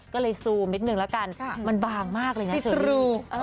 ก็เลยซูมนิดนึงแล้วกันมันบางมากเลยนะ